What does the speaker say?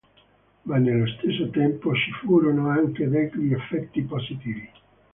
Ma nello stesso tempo ci furono anche degli effetti positivi.